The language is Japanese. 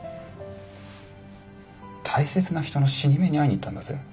大切な人の死に目にあいに行ったんだぜ？